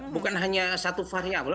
bukan hanya satu variable